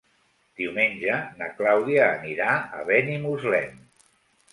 Diumenge na Clàudia anirà a Benimuslem.